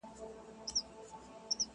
په خندا يې مچولم غېږ يې راکړه.!